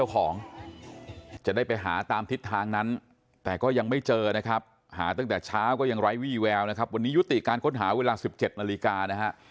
ก็ยังไร้วี่แววนะครับวันนี้ยุติการค้นหาเวลาสิบเจ็ดนาฬิกานะฮะ